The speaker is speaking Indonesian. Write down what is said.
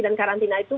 dan karantina itu